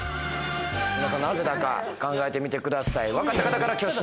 皆さんなぜだか考えてみてください